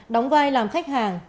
đóng vai làm khách hàng